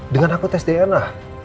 dengan aku tes tna